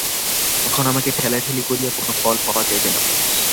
এখন আমাকে ঠেলাঠেলি করিয়া কোনো ফল পাওয়া যাইবে না।